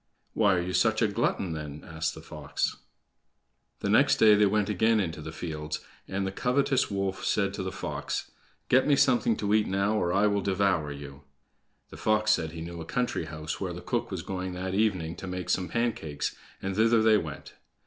"Why are you such a glutton, then?" asked the fox. The next day they went again into the fields, and the covetous wolf said to the fox: "Get me something to eat now, or I will devour you!" The fox said he knew a country house where the cook was going that evening to make some pancakes, and thither they went.